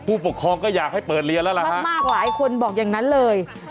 ผู้ปกครองก็อยากให้เปิดเรียนแล้วล่ะชักมากหลายคนบอกอย่างนั้นเลย